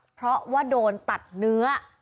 เพราะว่าโดนตัดเนื้อ